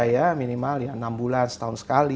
ya minimal ya enam bulan setahun sekali